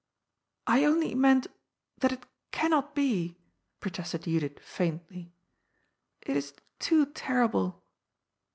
*^ I only meant that it cannot be," protested Judith faintly. " It is too terrible."